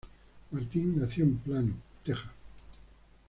Martin nació en Plano, Texas.